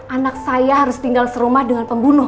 anak saya harus tinggal serumah dengan pembunuh